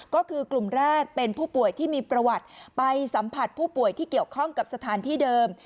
ก็คือกลุ่มแรกเป็นผู้ป่วยที่มีประวัติไปสัมผัสผู้ป่วยที่เกี่ยวข้องกับสถานที่เดิม